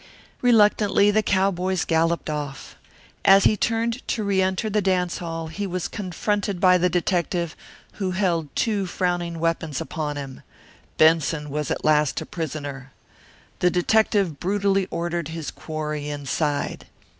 Reluctantly the cowboys galloped off. As he turned to re enter the dance hall he was confronted by the detective, who held two frowning weapons upon him. Benson was at last a prisoner. The detective brutally ordered his quarry inside.